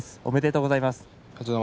おめでとうございます。